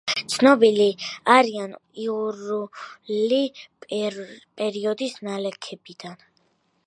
ცნობილი არიან იურული პერიოდის ნალექებიდან.